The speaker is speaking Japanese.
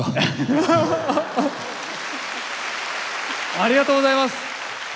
ありがとうございます！